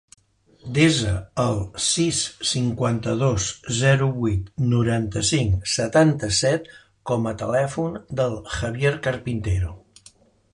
Desa el sis, cinquanta-dos, zero, vuit, noranta-cinc, setanta-set com a telèfon del Javier Carpintero.